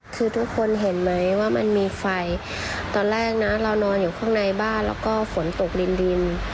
คือทุกคนเห็นไหมว่ามันมีไฟตอนแรกนะเรานอนอยู่ข้างในบ้านแล้วก็ฝนตกดิน